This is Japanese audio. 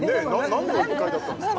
何の１回だったんですか？